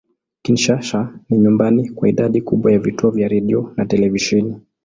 Kinshasa ni nyumbani kwa idadi kubwa ya vituo vya redio na televisheni.